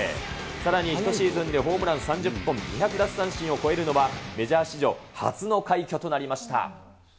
さらに１シーズンでホームラン３０本２００奪三振を超えるのは、メジャー史上初の快挙となりました。